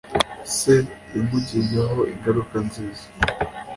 Se yamugizeho ingaruka nziza.